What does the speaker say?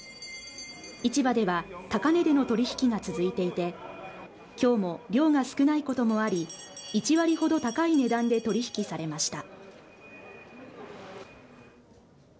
市場では高値での取引が続いていて今日も、量が少ないこともあり１割ほど高い値段で取引されました。